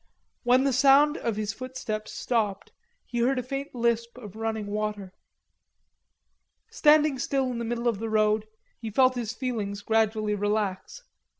When the sound of his footsteps stopped, he heard a faint lisp of running water. Standing still in the middle of the road, he felt his feelings gradually relax.